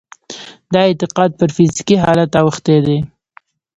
دا اعتقاد پر فزيکي حالت اوښتی دی.